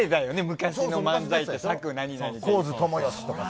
昔の漫才って、作・何々とか。